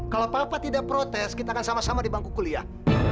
kalau papa tidak protes kita akan sama sama di bangku kuliah